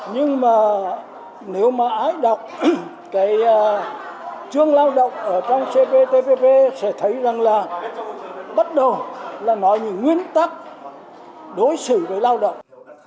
nhưng mà nếu mà ai đọc cái chương lao động ở trong cptpp sẽ thấy rằng là bắt đầu là nói những nguyên tắc đối xử với lao động